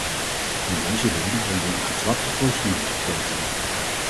Om deze reden hebben we een getrapte procedure gekozen.